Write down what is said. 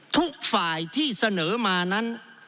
ทุกฝ่ายที่เสนอมานั้น